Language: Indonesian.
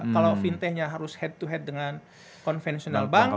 kalau fintechnya harus head to head dengan konvensional bank